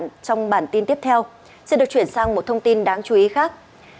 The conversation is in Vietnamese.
và các bạn trong bản tin tiếp theo sẽ được chuyển sang một thông tin đáng chú ý khác